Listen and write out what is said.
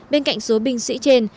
bên cạnh số binh sĩ trên